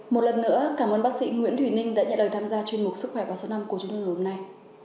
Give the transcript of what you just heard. một lần nữa cảm ơn bác sĩ nguyễn thùy ninh đã nhận lời tham gia chuyên mục sức khỏe ba trăm sáu mươi năm của chúng tôi hôm nay